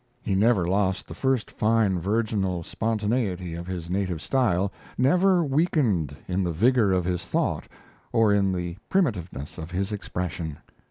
He never lost the first fine virginal spontaneity of his native style, never weakened in the vigour of his thought or in the primitiveness of his expression.